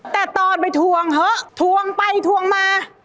แต่ตอนไปทวงเหอะทวงไปทวงมา